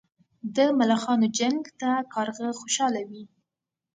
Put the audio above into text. د ملخانو جنګ ته کارغه خوشاله وي.